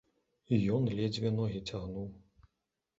І ён ледзьве ногі цягнуў.